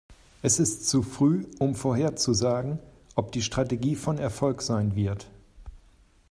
Es ist zu früh, um vorherzusagen, ob die Strategie von Erfolg sein wird.